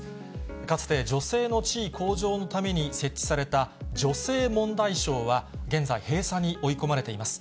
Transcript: かつて女性の地位向上のために設置された女性問題省は、現在、閉鎖に追い込まれています。